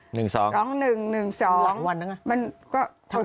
หลังวันนะ